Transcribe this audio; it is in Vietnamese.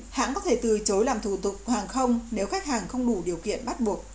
hãng có thể từ chối làm thủ tục hàng không nếu khách hàng không đủ điều kiện bắt buộc